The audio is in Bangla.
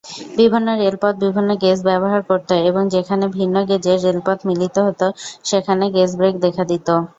বিভিন্ন রেলপথ বিভিন্ন গেজ ব্যবহার করত, এবং যেখানে ভিন্ন গেজের রেলপথ মিলিত হতো, যেখানে "গেজ ব্রেক" দেখা দিতো।